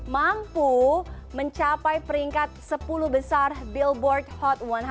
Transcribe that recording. mampu mencapai peringkat sepuluh besar billboard hot seratus